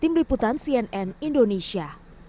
tim liputan cnn indonesia